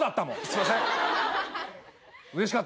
すいません。